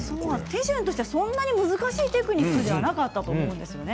手順としてそんなに難しいテクニックではなかったと思うんですよね